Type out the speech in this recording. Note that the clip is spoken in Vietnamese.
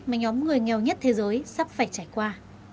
mà nhóm người nghèo nhất thế giới sắp phải trải qua